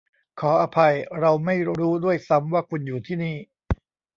ขออภัยเราไม่รู้ด้วยซ้ำว่าคุณอยู่ที่นี่